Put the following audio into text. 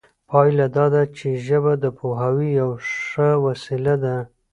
پایله دا ده چې ژبه د پوهاوي یوه ښه وسیله ده